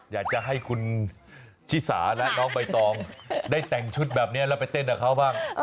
อยากจะให้คุณชิสาและน้องใบตองได้แต่งชุดแบบนี้แล้วไปเต้นกับเขาบ้าง